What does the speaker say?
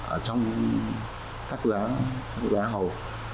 ở trong các giá hầu